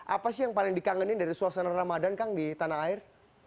apa sih yang paling dikangenin dari suasana ramadan kang di tanah air